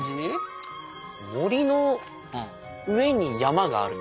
森の上に山がある。